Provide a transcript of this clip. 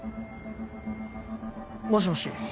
もしもし。